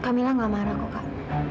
kak mila gak marah kok kak